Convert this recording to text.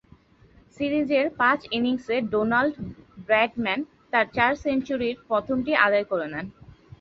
সিরিজের পাঁচ ইনিংসে ডোনাল্ড ব্র্যাডম্যান তার চার সেঞ্চুরির প্রথমটি আদায় করে নেন।